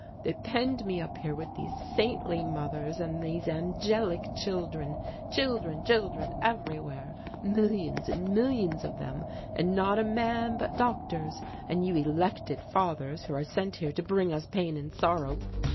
They penned me up here with these saintly mothers and these angelic children. Children, children everywhere, millions and millions of them, and not a man but doctors, and you elected fathers who are sent here to bring us pain and sorrow.